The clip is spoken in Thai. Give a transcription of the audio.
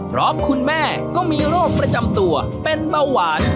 เพราะคุณแม่ก็มีโรคประจำตัวเป็นเบาหวาน